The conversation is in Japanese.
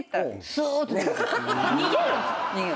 逃げるんですか